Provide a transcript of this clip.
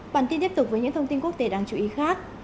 bản tin tiếp tục với những thông tin quốc tế đáng chú ý khác